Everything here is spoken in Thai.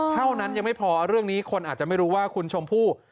เท่านั้นยังไม่พอเรื่องนี้คนอาจจะไม่รู้ว่าคุณชมพู่